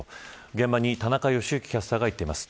現場に田中良幸キャスターが行っています。